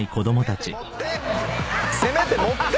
せめて持って！